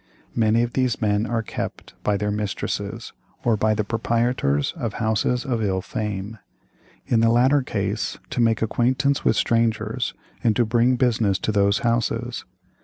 Many of these men are 'kept' by their mistresses, or by the proprietors of houses of ill fame; in the latter case, to make acquaintance with strangers, and to bring business to those houses.